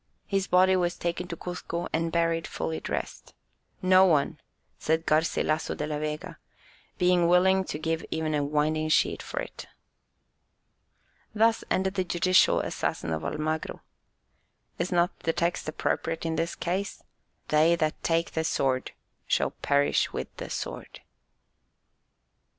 His body was taken to Cuzco and buried fully dressed; "No one," says Garcilasso de la Vega, "being willing to give even a winding sheet for it." Thus ended the judicial assassin of Almagro. Is not the text appropriate in this case: "They that take the sword shall perish with the sword"?